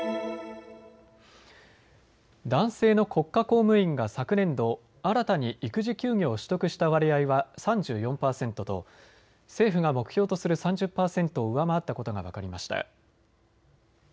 男性の国家公務員が昨年度、新たに育児休業を取得した割合は３４％と政府が目標とする３０％を上回ったことが分かりました。